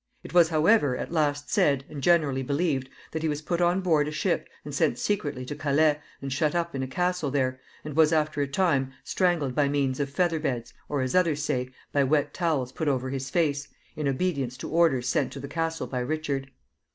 It was, however, at last said, and generally believed, that he was put on board a ship, and sent secretly to Calais, and shut up in a castle there, and was, after a time, strangled by means of feather beds, or, as others say, by wet towels put over his face, in obedience to orders sent to the castle by Richard.